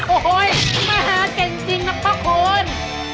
โอ้โหมหาเก่งจริงนะพ่อคุณ